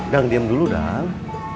dang diam dulu dang